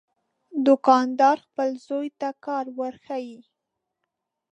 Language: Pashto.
دوکاندار خپل زوی ته کار ورښيي.